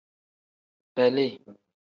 Beli.